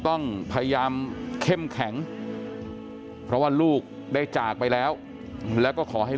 ต้องพยายามเข้มแข็งเพราะว่าลูกได้จากไปแล้วแล้วก็ขอให้ลูก